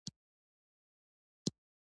د ستاينو وړ يواځې الله تعالی دی